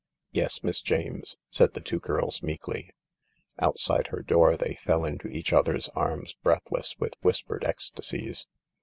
"Yes, Miss James," said the two girls meekly. Outside her door they fell into each other's arms, breath less with whispered ecstasies.